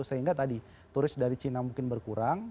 sehingga tadi turis dari cina mungkin berkurang